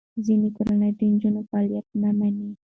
ځینې کورنۍ د نجونو فعالیت نه مني.